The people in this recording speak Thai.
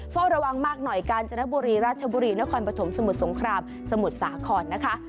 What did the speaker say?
เฝ้าระวังมากหน่อยกาญจนบุรีราชบุรีนครปฐมสมุทรสงครามสมุทรสาครนะคะ